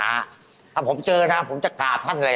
ถ้าพว่าผมเจอนะผมจะหาท่านเลย